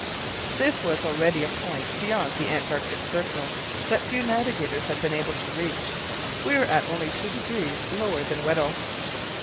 This was already a point beyond the Antarctic Circle that few navigators had been able to reach. We were at only two degrees lower than Weddell.